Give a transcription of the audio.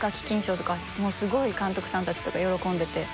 もうすごい監督さんたちとか喜んでて。